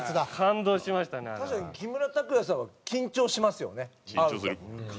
確かに木村拓哉さんは緊張しますよね会うと。